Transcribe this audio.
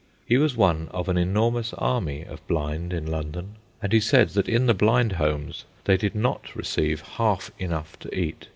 He was one of an enormous army of blind in London, and he said that in the blind homes they did not receive half enough to eat.